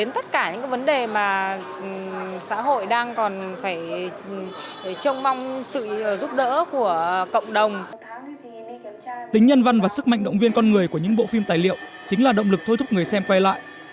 tính nhân văn và sức mạnh động viên con người của những bộ phim tài liệu chính là động lực thôi thúc người xem quay lại